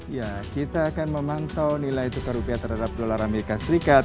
ya kita akan memantau nilai tukar rupiah terhadap dolar amerika serikat